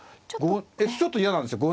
ちょっと嫌なんですよ。